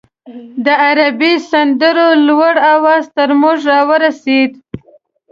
د عربي سندرو لوړ اواز تر موږ راورسېد.